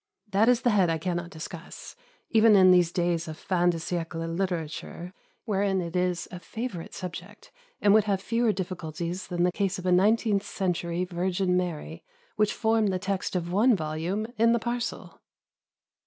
That is the head I cannot discuss, even in these days of fin de siècle literature, wherein it is a favourite subject, and would have fewer difficulties than the case of a nineteenth century Virgin Mary, which formed the text of one volume in the parcel.